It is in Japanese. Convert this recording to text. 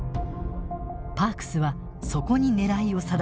パークスはそこに狙いを定めます。